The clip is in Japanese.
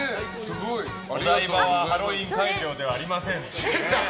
お台場はハロウィーン会場ではありません。